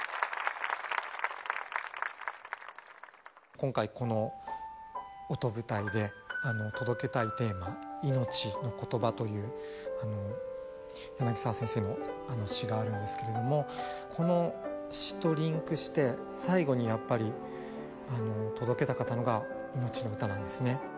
今回この「音舞台」で届けたいテーマ「いのちのことば」という柳澤先生の詩があるんですけれどもこの詩とリンクして最後にやっぱり届けたかったのが「いのちの歌」なんですね。